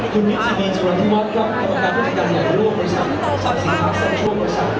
คุณวิทยาลีจิรัทธิวัฒน์กรรมการวิจักรใหญ่ร่วมประสานสัมภาษีภาคสันชั่วประสาน